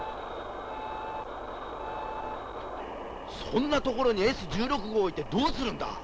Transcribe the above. そんな所にＳ１６号を置いてどうするんだ？